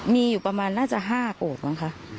มีอยู่ประมาณน่าจะ๕โกรธมั้งคะ